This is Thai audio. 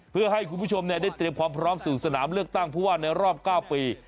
เพื่อให้คุณผู้ชมได้เตรียมความพร้อมสู่สนามเลือกตั้งผู้ว่าในรอบ๙ปี